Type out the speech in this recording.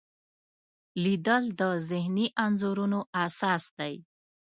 لیدل د ذهني انځورونو اساس دی